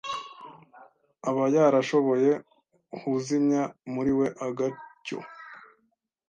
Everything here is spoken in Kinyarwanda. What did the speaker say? Aba yarashoboye huzimya muri we agacyo